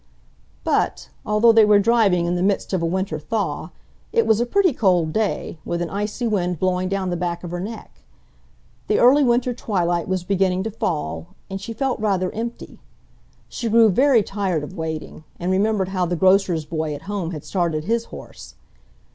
But, although they were driving in the midst of a winter thaw, it was a pretty cold day, with an icy wind blowing down the back of her neck. The early winter twilight was beginning to fall, and she felt rather empty. She grew very tired of waiting, and remembered how the grocer's boy at home had started his horse.